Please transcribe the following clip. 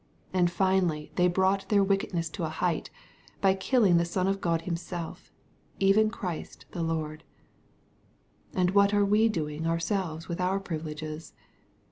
And finally they brought their wickedness to a height, by killing the Son of God Him self, even Christ the Lord. And what are we doing ourselves with our privileges